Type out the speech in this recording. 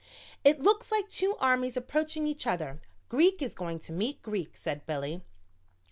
"It looks like two armies approaching each other Greek is going to meet Greek," said Billy.